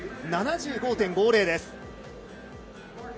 ７５．５０です。